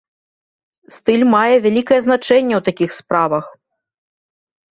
Стыль мае вялікае значэнне ў такіх справах.